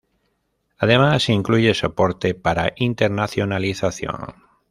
Además, incluye soporte para internacionalización.